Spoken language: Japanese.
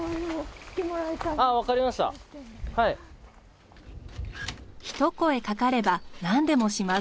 ひと声かかればなんでもします。